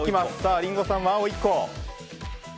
リンゴさんは青１個。